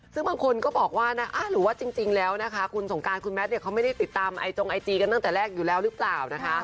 ซึ่งคนก็บอกว่าเนี่ยคุณสงการคุณแมทเค้าไม่ติดตามตรงไอจีกันตั้งแต่แรกอยู่แล้วรึเปล่า